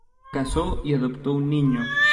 Se casó y adoptó un niño.